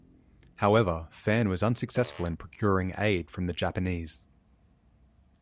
However, Phan was unsuccessful in procuring aid from the Japanese.